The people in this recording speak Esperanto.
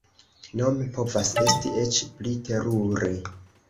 Nome, povas esti eĉ pli terure.